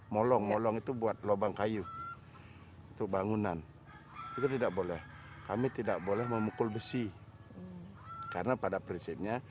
molong molong itu buat lubang kayu itu bangunan itu tidak boleh kami tidak boleh memukul besi karena pada prinsipnya